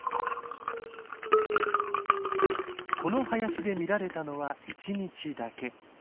この林で見られたのは１日だけ。